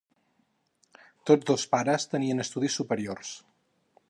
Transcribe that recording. Tots dos pares tenien estudis superiors.